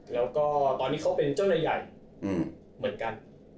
แล้วก็ตอนนี้เขาเป็นเจ้าหน้าที่ใหญ่เหมือนกัน